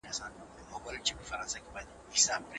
کوچنی سياست نړيوالې اړيکې نه رانغاړي.